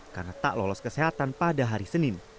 karena tak lolos kesehatan pada hari senin